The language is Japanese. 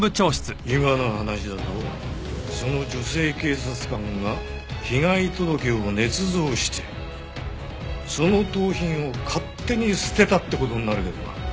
今の話だとその女性警察官が被害届を捏造してその盗品を勝手に捨てたって事になるけどな。